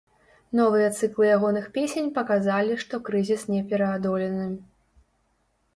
Новыя цыклы ягоных песень паказалі, што крызіс не пераадолены.